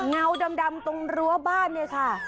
เงาดำตรงรั้วบ้านเนี่ยค่ะ